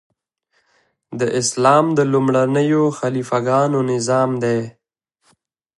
د اسلام د لومړنیو خلیفه ګانو نظام دی.